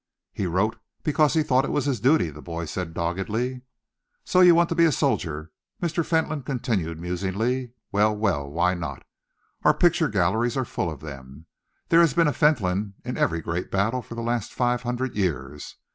"He wrote because he thought it was his duty," the boy said doggedly. "So you want to be a soldier," Mr. Fentolin continued musingly. "Well, well, why not? Our picture galleries are full of them. There has been a Fentolin in every great battle for the last five hundred years.